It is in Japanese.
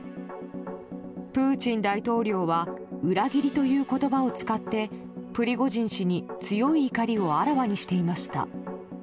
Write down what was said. プーチン大統領は裏切りという言葉を使ってプリゴジン氏に強い怒りをあらわにしていました。